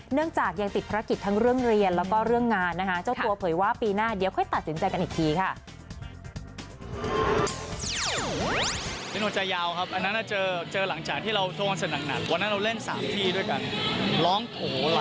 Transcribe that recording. เนื่องจากยังติดภารกิจทั้งเรื่องเรียนแล้วก็เรื่องงานนะคะเจ้าตัวเผยว่าปีหน้าเดี๋ยวค่อยตัดสินใจกันอีกทีค่ะ